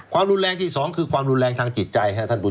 ความรุนแรงที่สองคือความรุนแรงทางจิตใจ